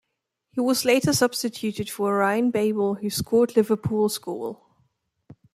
He was later substituted for Ryan Babel who scored Liverpool's goal.